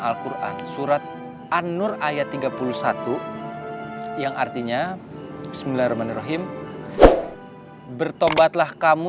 alquran surat an nur ayat tiga puluh satu yang artinya bismillahirrahmanirrahim bertobatlah kamu